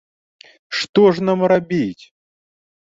Што ж нам рабіць?